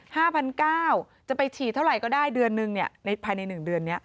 เฮ้ย๕๙๐๐บาทจะไปฉีดเท่าไหร่ก็ได้เดือนนึงภายใน๑เดือนนี้